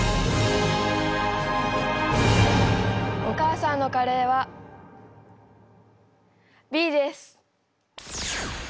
お母さんのカレーはＢです！